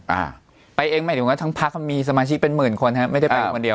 อ่าไปเองหมายถึงว่าทั้งพักเขามีสมาชิกเป็นหมื่นคนฮะไม่ได้ไปคนเดียว